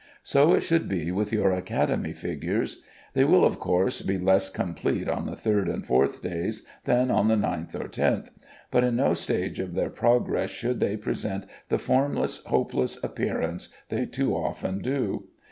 So it should be with your Academy figures. They will, of course, be less complete on the third and fourth days than on the ninth or tenth; but in no stage of their progress should they present the formless, hopeless appearance they too often do.